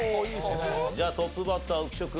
じゃあトップバッター浮所君。